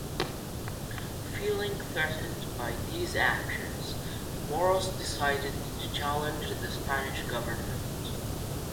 Feeling threatened by these actions, the Moros decided to challenge the Spanish government.